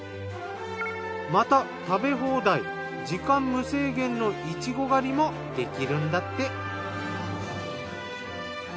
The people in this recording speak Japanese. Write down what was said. また食べ放題時間無制限のイチゴ狩りもできるんだって。